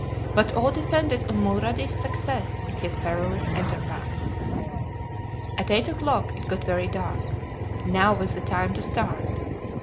But all depended on Mulrady's success in his perilous enterprise. At eight o'clock it got very dark; now was the time to start.